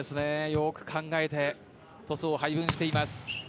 よく考えてトスを配分しています。